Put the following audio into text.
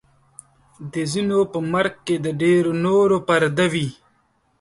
د ځینو په مرګ کې د ډېرو نورو پرده وي.